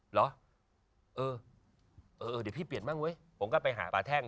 เหรอเดี๋ยวพี่เปลี่ยนบ้างว่ะเว้ยผมก็ไปหาป่าแท่ง